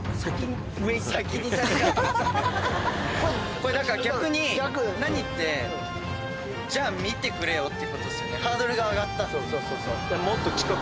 これだから逆にじゃあ見てくれよってことっすよね。